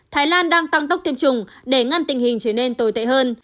thái lan đang tăng tốc tiêm chủng để ngăn tình hình trở nên tồi tệ hơn